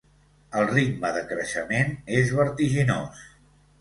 El ritme de creixement és vertiginós.